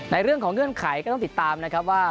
เรื่องของเงื่อนไขก็ต้องติดตามนะครับว่า